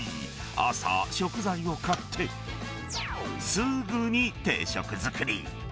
朝、食材を買って、すぐに定食作り。